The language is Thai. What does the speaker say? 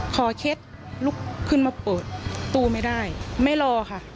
เคล็ดลุกขึ้นมาเปิดตู้ไม่ได้ไม่รอค่ะ